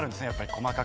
細かく。